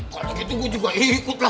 kalo gitu gue juga ikut lah